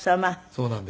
そうなんです。